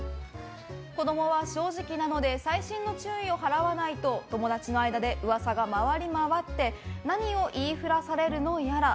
子どもは正直なので細心の注意を払わないと友達の間で噂が回り回って何を言い触らされるのやら。